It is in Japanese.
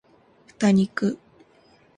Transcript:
豚肉